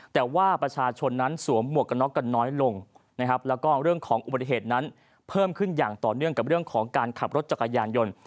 แต่ว่าประชาชนนั้นสวมหมวกกันน็อกกันน้อยลงนะครับแล้วก็เรื่องของอุบัติเหตุนั้นเพิ่มขึ้นอย่างต่อเนื่องกับเรื่องของการขับรถจักรยานยนต์